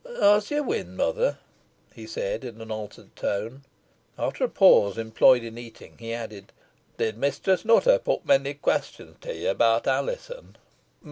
"Os ye win, mother," he said in an altered tone. After a pause, employed in eating, he added, "Did Mistress Nutter put onny questions to ye about Alizon?"